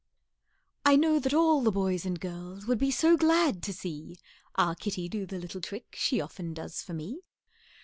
[E] I know that all the boys and girls Would be so glad to see Our kitty do the little trick She often does for me.